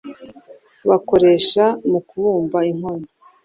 bakoresha mu kubumba inkono